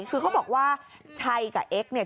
คือเขาบอกว่าชัยกับเอ็กซ์เนี่ย